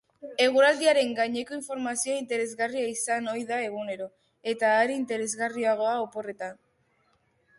Eguraldiaren gaineko informazioa interesgarria izan ohi da egunero, eta are interesgarriagoa oporretan.